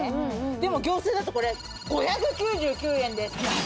でも業スーだとこれ５９９円です。